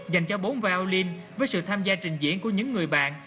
dành cho bốn vallene với sự tham gia trình diễn của những người bạn